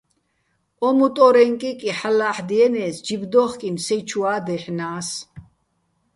ო მუტო́რეჼ კიკი ჰ̦ალო̆ ლა́ჰ̦დიენე́ს, ჯიბ დო́ხკინო̆ სეჲჩუა́ დაჲჰ̦ნა́ს.